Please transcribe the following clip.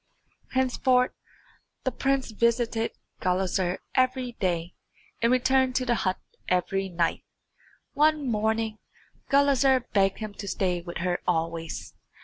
Henceforth the prince visited Gulizar every day and returned to the hut every night. One morning Gulizar begged him to stay with her always.